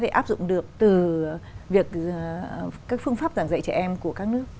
thể áp dụng được từ việc các phương pháp giảng dạy trẻ em của các nước